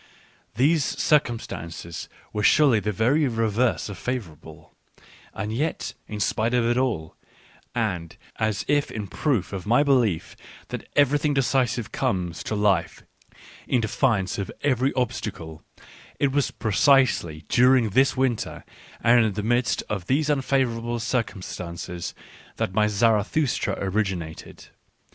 These circumstances were surely the very reverse of favourable ; and yet, in spite of it all, and as if in proof of my belief that everything decisive comes to life _in_defiance of every o bstac le, it was precisely during this winter and in the midst of these unfavourable cir Digitized by Google WHY I WRITE SUCH EXCELLENT BOOKS 99 cumstances that my Zarathustra originated.